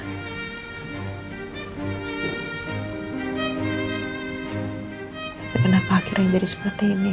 tapi kenapa akhirnya jadi seperti ini